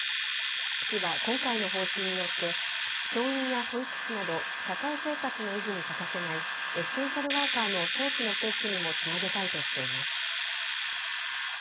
市は今回の方針によって教員や保育士など社会生活の維持に欠かせないエッセンシャルワーカーの早期の接種にもつなげたいとしています。